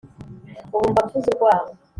Ubu mba mvuza urwamo